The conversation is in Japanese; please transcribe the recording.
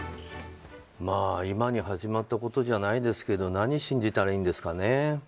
まあ今に始まったことじゃないですけど何を信じたらいいんですかね。